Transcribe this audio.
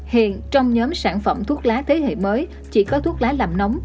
hiện trong nhóm sản phẩm thuốc lá thế hệ mới chỉ có thuốc lá làm nóng